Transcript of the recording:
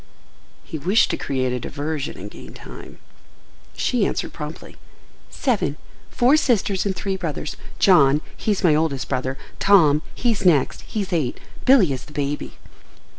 He wished to create a diversion and gain time. She answered promptly. "Seven: four sisters and three brothers. John, he's my oldest brother; Tom, he's next—he's eight. Billy is the baby."